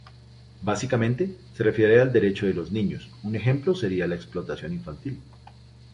Básicamente se refiere al derecho de los niños, un ejemplo sería la explotación infantil.